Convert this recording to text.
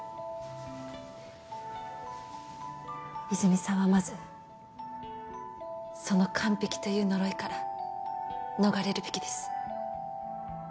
泉さんはまずその「完璧」という呪いから逃れるべきです。